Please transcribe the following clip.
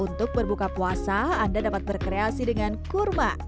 untuk berbuka puasa anda dapat berkreasi dengan kurma